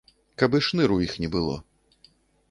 Каб і шныру іх не было.